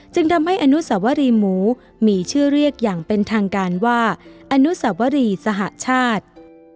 จึงทำให้อนุสวรีหมูมีชื่อเรียกอย่างเป็นทางการว่าอนุสวรีสหชาติ